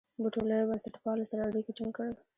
بوټو له بنسټپالو سره اړیکي ټینګ کړل.